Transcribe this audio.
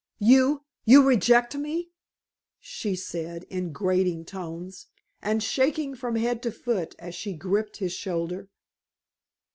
"You you reject me," she said in grating tones, and shaking from head to foot as she gripped his shoulder.